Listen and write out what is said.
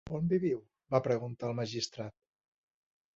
""On viviu?", va preguntar el magistrat."